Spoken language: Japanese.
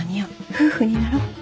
夫婦になろう。